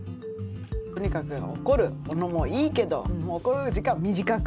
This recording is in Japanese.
とにかく怒るのもいいけど怒る時間は短く。